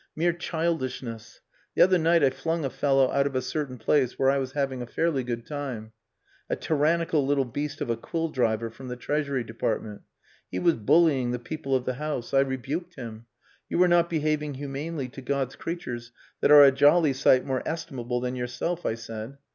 Mere childishness. The other night I flung a fellow out of a certain place where I was having a fairly good time. A tyrannical little beast of a quill driver from the Treasury department. He was bullying the people of the house. I rebuked him. 'You are not behaving humanely to God's creatures that are a jolly sight more estimable than yourself,' I said.